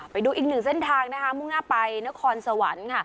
ไปดูอีกหนึ่งเส้นทางมุ่งอาไปนครสวรรค์